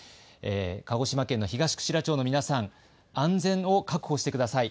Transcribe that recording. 鹿児島県の東串良町の皆さん、安全を確保してください。